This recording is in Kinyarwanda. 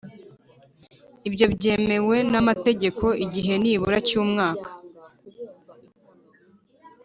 Ibyo byemewe n’amategeko igihe nibura cy’umwaka